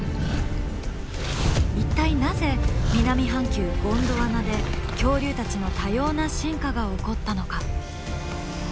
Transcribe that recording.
一体なぜ南半球ゴンドワナで恐竜たちの多様な進化が起こったのか？